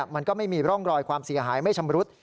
มันก็ไม่มีร่องรอยความเสียหายไม่ชำรุด